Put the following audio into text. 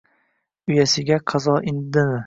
Uyasiga qazo indimi